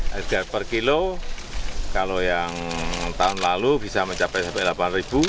harga per kilo kalau yang tahun lalu bisa mencapai rp delapan